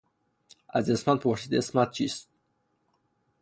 از عصمت پرسید اسمت چیست؟